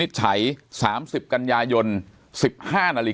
ภาคภูมิ